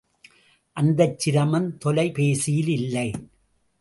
அந்த சிரமம் தொலை பேசியில் இல்லை.